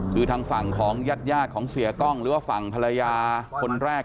คือทางฝั่งของญาติของเสียกล้องหรือว่าฝั่งภรรยาคนแรก